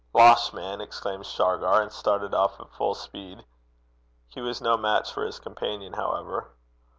'Losh, man!' exclaimed Shargar, and started off at full speed. He was no match for his companion, however.